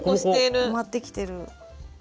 埋まってきてる。